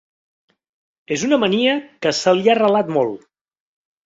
És una mania que se li ha arrelat molt.